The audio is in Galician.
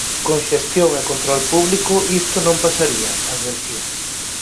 "Con xestión e control público isto non pasaría", advertiu.